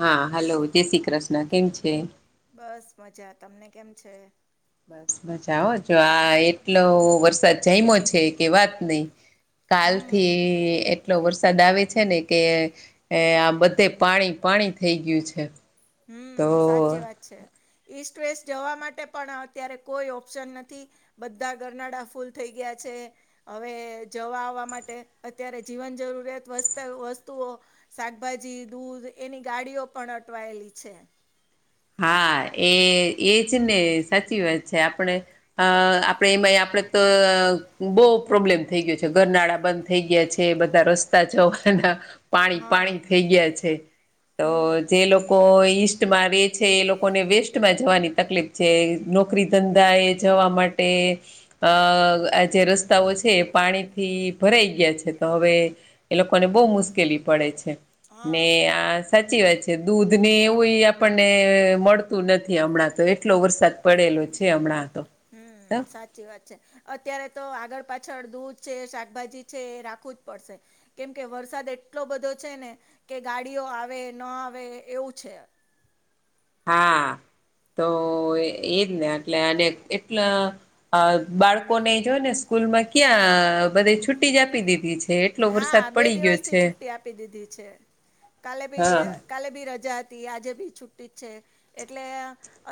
હા હલો જય શ્રી કૃષ્ણ કેમ છે? બસ મજા તમને કેમ છે? બસ મજા હો જો આ એટલો વરસાદ જાયમો છે કે વાત નહી. કાલ થી હમ એટલો વરસાદ આવે છે ને કે એ આ બધે પાણી પાણી થઈ ગયું છે. તો હમ સાચી વાત છે ઈસ્ટ વેસ્ટ જવા માટે પણ અત્યારે કોઈ ઓપ્શન નથી બધા ગરનાડા ફૂલ થઈ ગયા છે. હવે જવા આવવા માટે અત્યારે જીવન જરૂરિયાત વસ્ત વસ્તુઓ શાકભાજી દૂધ એની ગાડીઓ પણ અટવાયેલી છે. હા એ એજ ને સાચી વાત છે આપણે અ આપડે એમાંય આપડે તો બહુ પ્રોબ્લેમ થઈ ગયો છે ગરનાળા બંધ થ- - થઈ ગયા છે બધા રસ્તા જવાના- - પાણી હા પાણી થઈ ગયા છે તો હમ જે લોકો ઈસ્ટમાં રે- - છે એ લોકોને વેસ્ટમાં જવાની તકલીફ છે નોકરી ધંધા એ જવા માટે- - અ આ જે રસ્તાઓ છે એ પાણીથી ભરાઈ ગયા છે તો હવે- - એ લોકોને બહુ મુશ્કેલી પડે છે. ને હા આ સાચી વાત છે દૂધ ને એવું આપણ- - ને મળતું નથી હમણાં તો એટલો વરસાદ પડેલો છે હમણાં તો- - હમ સાચી વાત છે. અત્યારે તો આગળ પાછળ દૂધ છે શાકભાજી છે એ રાખવું જ પડશે- - કેમકે વરસાદ એટલો બધો છે ને કે ગાડીઓ આવે ન આવે એવું છે. હા તો એજ ને એટલે આને એટલ- - અ બાળકોને જોય ને સ્કૂલમાં ક્યાં બધે છુ્ટી જ આપી દીધી છે. એટલો હા વરસાદ બે પડી ગયો દિવસ થી છે છુટ્ટી આપી દીધી છે કાલે હા ભી- - કાલે બી રજા હતી આજે બી છુ્ટી જ છે. એટલે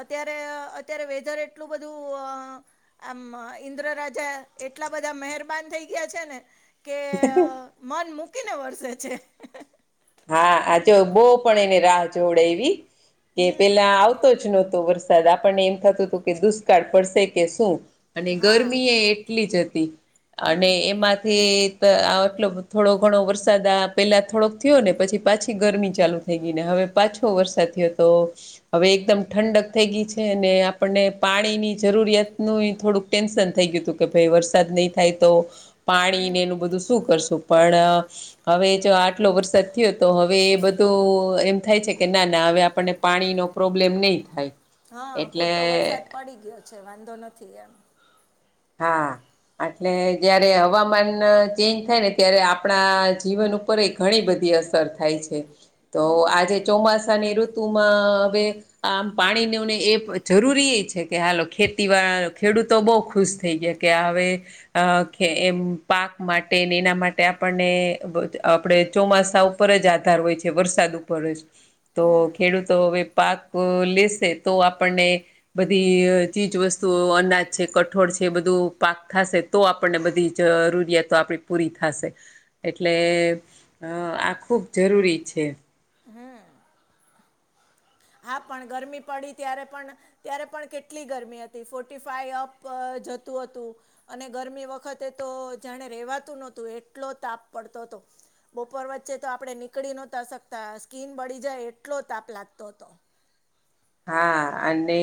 અત્યારે અત્યારે વેધર એટલું બધું- - આમ ઇન્દ્ર રાજા એટલા બધા મહેરબાન થઈ ગયા છે ને કે- - [inaudible] મન મૂકીને વરસે છે. હા જો બો પણ એને રાહ જોડે એવી કે પેલા આવ- - હમ આવતો જ નહોતો વરસાદ આપણને એમ થતું હતું કે દુષ્કાળ પડશે કે શું? અને હા ગરમી એ એટલી જ હતી અને હમ એમાંથી- - આ એટલો થોડો ઘણો વરસાદ આ પહેલાં થોડોક- - થયો ને પછી પાછી ગરમી ચાલુ થઈ ગઈ ને હવે પાછો વરસાદ થયો તો- - હવે એકદમ ઠંડક થઈ ગઈ છે, અને આપણને પાણીની જરૂરિયાત નું થોડુંક. ટેન્શન થઈ ગયુ હતું કે ભાઈ વરસાદ નહીં- - થાય તો પાણીને હમ એનું બધું શું કરશું પણ હવે જો આ આટલો વરસાદ થયો તો હવે એ બધું એમ થાય છે કે ના ના હવે આપણને પાણીનો પ્રોબ્લેમ નહીં થાય. હા એટલે પૂરતો વરસાદ પડી ગયો છે વાંધો નથી એમ. હા એટલે જયારે હવામાન ચેન્જ થાય ને ત્યારે આપણા જીવન ઉપ ઉપર ઘણી બધી અસર થાય છે. તો હમ આજે ચોમાસાની ઋતુમાં હવે આમ પાણીનેને એ જરૂરી એ છે કે હાલો ખેતી વા ખેડૂતો બહુ ખુશ થઈ ગયા કે હવે અ એમ પાક માટે એના માટે આપણને આપણે ચોમાસા ઉપર જ આધાર હોય છે વરસાદ ઉપર જ તો હમ ખેડૂતો હવે પાક લેશે તો આપણને બધી ચીજ વસ્તુઓ અનાજ છે કઠોળ છે. જે બધું પાક થશે તો આપણને બધી જ જરૂરિયાતો આપણી પૂરી થશે. એટલે અ આ ખૂબ જરૂરી છે. હા પણ ગરમી પડી ત્યારે પણ ત્યારે પણ કેટલી ગરમી હતી ફોર્ટી ફાઈ અપ જતું હતું. અને ગરમી વખતે તો જાણે રેવાતું નહોતું એટલો તાપ પડતો હતો. બપોર વચ્ચે તો આપડે નીકળી નહોતા શકતા સ્કીિન બળી જાય એટલો તાપ લાગતો હતો. હા અને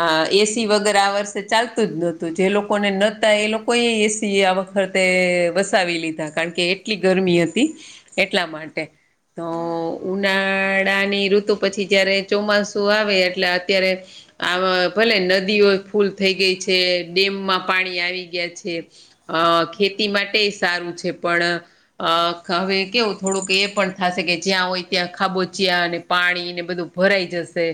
હ એસી વગેર આ વર્ષે ચાલતું જ નહોતું જે લોકોને નહતા એ લોકો એ એસી વરતે વસાવી લીધા કારણ કે એટલી ગરમી હતી એટલા માટે તો હમ ઉનાળા ની ઋતુ પછી જયારે ચોમાસ શું આવે એટલે અત્યારે આ ભલે નદીઓ ફૂલ થઈ ગઈ છે ડેમમાં પાણી આવી ગયા છે અ ખેતી માટે સારું છે પણ અ હવે કેવું થોડુંક એ પણ થશે કે જ્યાં હોય ત્યાં ખાબોચિયા અને પાણી ને બધું ભરાઈ જશે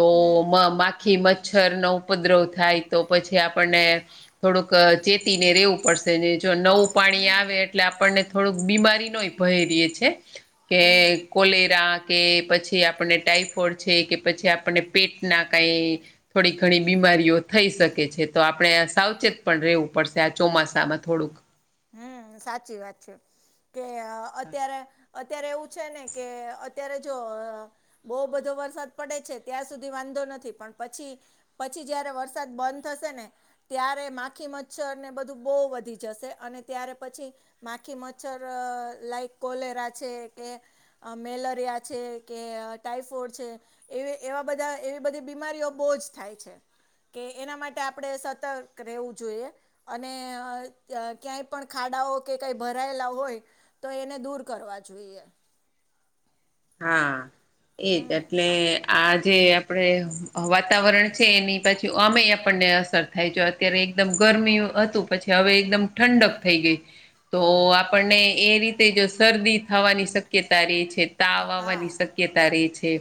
તો હમ માખી મચ્છર નો ઉપદ્રવ થાય તો પછી આપણને થોડુંક ચેતીને રેવું પડશેને જો નવું પાણી હમ આવે એટલે આપણને થોડુંક બીમારી નોય ભય રીએ છે કે હમ કોલેરા કે પછી આપણને ટાઈફોઈડ છે કે પછી આપણને પેટ ના કઈ થોડી ઘણી બીમારીઓ થઈ શકે છે તો આપણે સાવચેત પણ રહેવું પડશે આ ચોમાસામાં થોડુંક હમ સાચી વાત છે કે અત્યારે અત્યારે એવું છે ને કે અત્યારે જો બહુ બધો વરસાદ પડે છે ત્યાં સુધી વાંધો નથી પણ પછી પછી જયારે વરસાદ બંધ થશે ને ત્યારે માખી મચ્છર ને બધું બહુ વધી જશે અને ત્યારે પછી માખી મચ્છર લાઈક કોલેરા છે કે મેલરિયા છે કે ટાઈફોઈડ છે. એ એવા બધા એવી બધી બીમારીઓ બહુ જ થાય છે. કે એના માટે આપણે સતર્ક રહેવું જોઈએ અને અ ક્યાંય પણ ખાડાઓ કે કઈ ભરાયેલા હોય તો એને દૂર કરવા જોઈએ હા એજ એટલે હમ આ જે આપણે વાતાવરણ છે એની પછી અમેય આપણને અસર થાય જો અત્યારે એકદમ ગરમી હતું પછી હવે એકદમ ઠંડક થઈ ગઈ તો આપણને એ રીતે જ શરદી થવાની શક્યતા રે છે તાવ આવવાની હા શક્યતા રે છે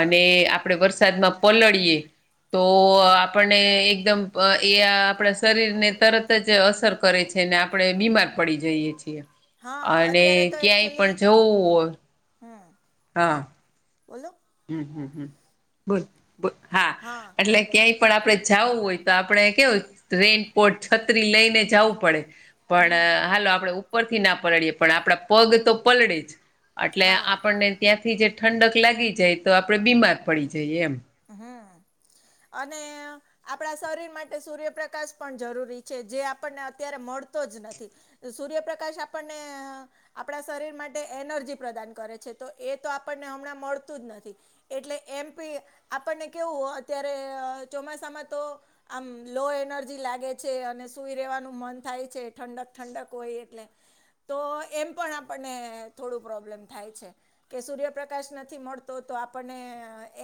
અને આપડે વરસાદમાં પલળીએ તો આપણને એકદમ એ આપણા શરીરને તરત તરત જ અસર કરે છે ને આપણે બીમાર પડી જઈએ છીએ. હા અને અત્યારે ક્યાંય પણ જવું હમ્મ હા. બોલો હમ્મ, હમ્મ, હમ્મ, બોલ બોલ. હા એટલે ક્યાય પણ આપડણે જાવું હોય તો આપડણે કેવ રેઈનકોટ, છત્રી લઈને જાવું પડે હમ પણ હાલો આપણેે ઉપરથી ના પલળીએ પણ આપણા પગ તો પલળે જ એટલે હા આપણને ત્યાંથી જે ઠંડક લાગી જાય તો આપડે બીમાર પડી જઈ એમ હમ્મ અને આપણા શરીર માટે સૂર્યપ્રકાશ પણ જરૂરી છે જે આપણને અત્યારે મળતો જ નથી. સૂર્યપ્રકાશ આપણને આપણા શરીર માટે એનર્જી પ્રદાન કરે છે તો એ તો આપણને હમણાં મળતું જ નથી એટલે એમ પી આપણને કેવું અત્યારે ચોમાસામાં તો આમ લો એનર્જી લાગે છે અને સુઈ રહેેવાનું મન થાય છે ઠંડક ઠંડક હોય એટલે તો એમ પણ આપણને થોડું પ્રોબ્લેમ થાય છે કે સૂર્યપ્રકાશ નથી મળતો તો આપણને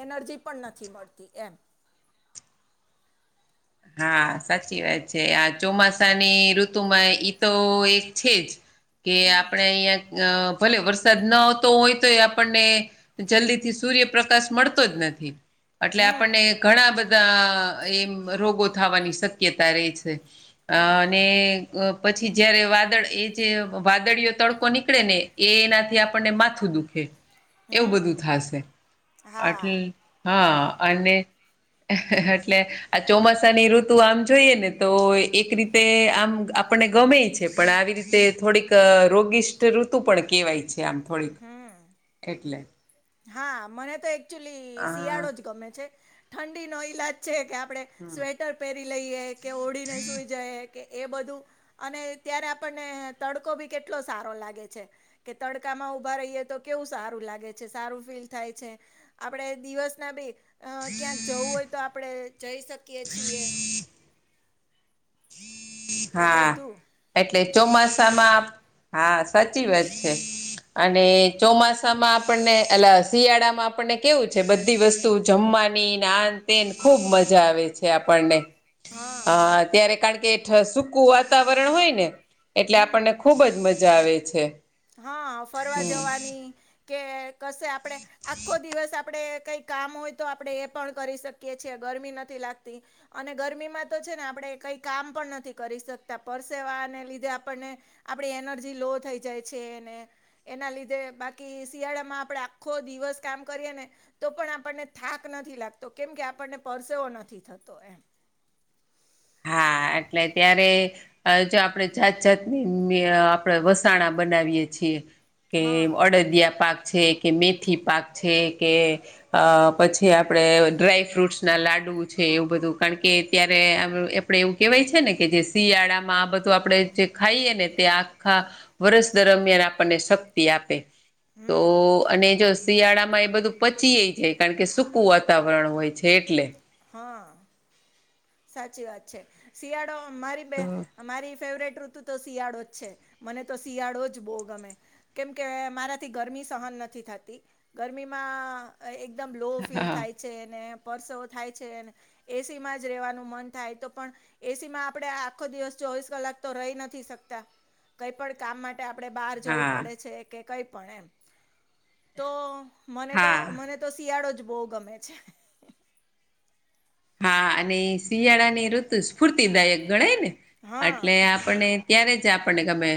એનર્જી પણ નથી મળતી એમ હા, સાચી વાત છે. આ ચોમાસાની ઋતુમાં ઈ તો એક છે જ કે હમ આપણે અહિયાં અ ભલે વરસાદ ન આવતો હોય તો એ આપણને જલ્દીથી સૂર્ય પ્રકાશ મળતો જ નથી એટલે આપણને હમ ઘણા બધા એમ રોગો થવાની શક્યતા રહે છે. અ હમ અને અ પછી જયારે વાદળ એ જે વાદળીયો તડકો નીકળે ને એનાથી આપણને માથું દુ ખે એવું બધું હમ થાશે હા આટલ હા અને એટલે આ ચોમાસાની ઋતુ આમ જોઈએ ને તો એક રીતે આમ આપણને ગમે છે પણ આવી રી તે થોડીક રોગિષ્ઠ ઋતુ પણ કેહેવાય છે આમ થોડીક હમ એટલે, હા, મને તો એકચુલી અ શિયાળો જ ગમે છે ઠંડીનો ઈલાજ છે કે આપડણે સ્વેટર પહેરી લઈએ કે ઓડીને સુઈ જાય કે એ બધું અને ત્યારે આપણને તડકો ભી કેટલો સારો લાગે છે કે તડકામાં ઊભા રહીએ તો કેવું સારું લાગે છે સારું ફીલ થાય છે આપણે દિવસ ના બે ક્યાં જવું હોય તો આપણે જઈ શકીએ છીએ. એટલે હા. બધું એટલે ચોમાસામાં હા સાચી વાત છે. અને ચોમાસામાં આપણને એલા શિયાળામાં આપણને કેવું છે બધી વસ્તુ જમવાની આ ને તે ખૂબ મજા આવે છે આપણને અ હા અત્યારે કારણ કે એઠ સૂકું વાતાવરણ હોય ને એટલે હમ આપણને ખુબ જ મજા આવે છે. હા ફરવા હમ જવાની કે કશે આપડે આખો દિવસ આપડણે કઈ કામ હોય તો આપડણે એ પણ કરી શકીએ છીએ ગરમી નથી લાગતી. અને ગરમીમાં તો છે ને આપણે કઈ કામ પણ નથી કરી શકતા પરસેવાને લીધે આપણને આપડી એનર્જી લો થઈ જાય છે ને એના લીધે બાકી શિયાળામાં આપણેે આખો દિવસ કામ કરીએ ને તો પણ આપણને થાક નથી લાગતો કેમ કે આપણને પરસેવો નથી થતો એમ. હા એટલે ત્યારે આ જો આપણે જાત-જાતની મે આપણેે વસાણા બનાવીયએ છીએ કે હા અડદિયા પાક છે કે મેથી પાક છે કે અ પછી આપડે ડ્રાય ફ્રૂટ્સના લાડુ છે એવું બધું કારણ કે ત્યારે આમ આપડે એવું કેહેવાય છે ને કે જે શિયાળામાં આ બધું આપણેે જે ખાઈએ ને તે આખા વર્ષ દરમિયાન આપણને શક્તિ આપે તો હમ અને જો શિયાળામાં એ બધું પચીય જાય કારણ કે સૂકું વાતાવરણ હોય છે, એટલે હા સાચી વાત છે, શિયાળો મારી બે તો મારી ફેવરેટ ઋતુ તો શિયાળો જ છે, મને તો શિયાળો જ બહુ ગમે. કેમકે મારાથી ગરમી સહન નથી થતી ગરમીમાં. એકદમ લો ફીલ હા. થાય છે, ને પરસો થાય છેને એસી માં, રહેવાનું મન થાય તો પણ. એસી માં આપણે આખો દિવસ ચોવીસ કલાક તો રહી નથી શકતા. કઈ પણ કામ માટે આપણેે બહાર જવું હા પડે છે, કે કઈ પણ એમ. તો મને તો હા મને તો શિયાળો જ બહુ ગમે છે. હા અને શિયાળાની ઋતુ સ્ફૂર્તિદાયક ગણાય ને એટલે હા આપણને. ત્યારે જ આપણને ગમે.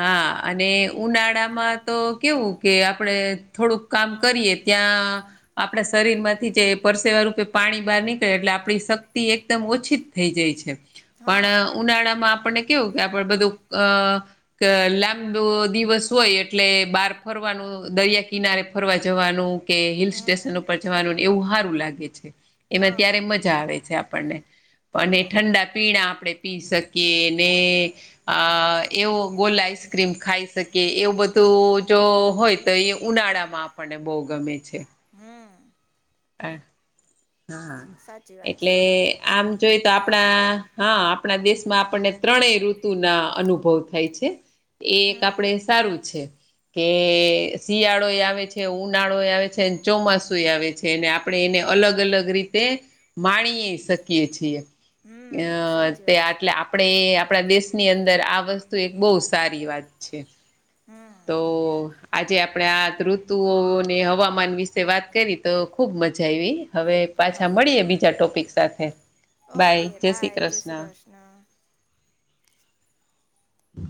હા અને ઉનાળામાં તો કેવું કે આપડ થોડુંક કામ કરીએ ત્યાં આપણા શરીર માંથી જે પરસેવા રૂપે પાણી બહાર ની એટલે આપણી શક્તિ એકદમ ઓછી થઈ જાય છે, હા પણ ઉનાળામાં આપણને. કેવું કે બધું અ કે લાંબો દિવસ હોય એટલે બાર ફરવાનું દરિયા કિનારે ફરવા જવાનું. કે હિલ હમ સ્ટેશન ઉપર જવાનું એવું સારું લાગે છે, એમાં. હા ત્યારે મજા આવે છે, આપણને અને હમ ઠંડા પીણા આપણે પી શકીએ ને અ એવો ગોલ આઈસ્ક્રીમ ખાઈ શકે એવું બધું જો હોય. તો અહી ઉનાળામાં આપણને બહુ ગમે છે. હમ. હ હા સાચી વાત એટલે. છે આમ જોઈ તો આપણા હા આપણા દેશમાં આપણને ત્રણેય ઋતુ ના અનુભવ થાય છે. એ એક હમ આપડે સારું છે. કે શિયાળો આવે છે, ઉનાળો આવે છે, ચોમાસું આવે છે. [unintelligible] અને આપણે એને અલગ અલગ રીતે માણીએ. હમ સાચી વાત છે [inaudible] આપણે આપણા દેશની અંદર આ વસ્તુ એક બહુ સારી વાત છે. હમ. તો. આજે આપણે આ ઋતુઓને હવામાન વિશે વાત કરી તો ખુબ મજા આવી હવે. પાછા હા મળીએ બીજા ટોપિક સાથે. ઓકે બાય જય શ્રી કૃષ્ણ. હમ.